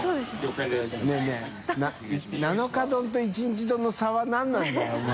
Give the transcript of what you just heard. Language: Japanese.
憩▶Г一日丼の差は何なんだよお前。